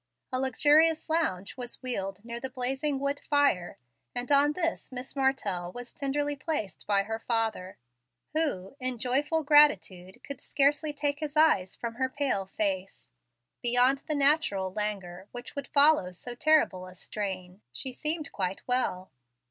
A luxurious lounge was wheeled near the blazing wood fire, and on this Miss Mar tell was tenderly placed by her father, who, in joyful gratitude, could scarcely take his eyes from her pale face. Beyond the natural languor which would follow so terrible a strain, she seemed quite well.